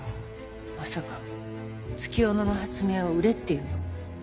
まさか月夜野の発明を売れっていうの？